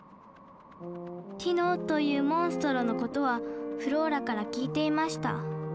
「ティノ」というモンストロのことはフローラから聞いていました